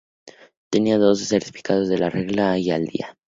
Tenía todos los certificados en regla y al día.